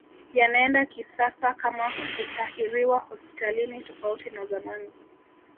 Yanaenda kisasa kama kutahiriwa hospitalini tofauti na zamani